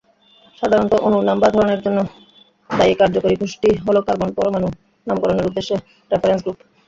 সাধারণত অণুর নাম বা ধরণের জন্য দায়ী কার্যকরী গোষ্ঠী হল কার্বন-পরমাণু নামকরণের উদ্দেশ্যে 'রেফারেন্স' গ্রুপ।